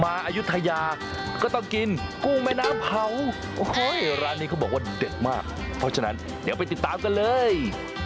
อายุทยาก็ต้องกินกุ้งแม่น้ำเผาโอ้โหร้านนี้เขาบอกว่าเด็ดมากเพราะฉะนั้นเดี๋ยวไปติดตามกันเลย